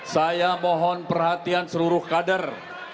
saya mohon perhatian seluruh kader